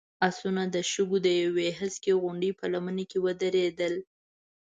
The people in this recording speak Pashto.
آسونه د شګو د يوې هسکې غونډۍ په لمنه کې ودرېدل.